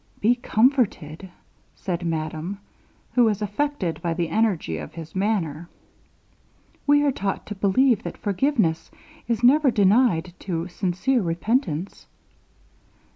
'Be comforted,' said madame, who was affected by the energy of his manner, 'we are taught to believe that forgiveness is never denied to sincere repentance.'